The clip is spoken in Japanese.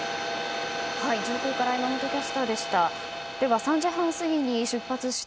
上空から山本キャスターでした。